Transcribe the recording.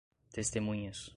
testemunhas